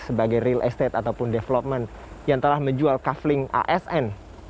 sebagai real estate ataupun development yang telah menjual kafling asn